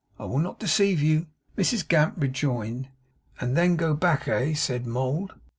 I will not deceive you,' Mrs Gamp rejoined. 'And then go back, eh?' said would.